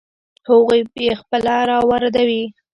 هغوی یې خپله را واردوي.